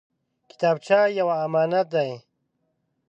کتابچه یو امانت دی